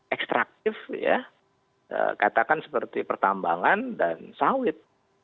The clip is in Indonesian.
ekstraktif ya katakan seperti pertambangan dan sawit